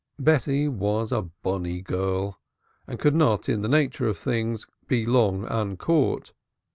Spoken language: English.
Bessie was a bonnie girl and could not in the nature of things be long uncaught.